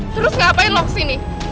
terus ngapain lo kesini